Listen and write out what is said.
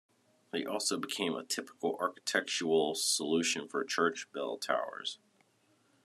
They also became a typical architectural solution for church bell towers.